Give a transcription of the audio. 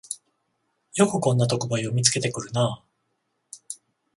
よくこんな特売を見つけてくるなあ